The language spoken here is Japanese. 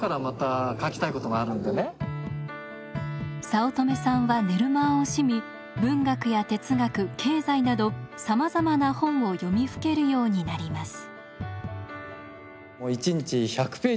早乙女さんは寝る間を惜しみ文学や哲学経済などさまざまな本を読みふけるようになります。